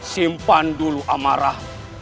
simpan dulu amarah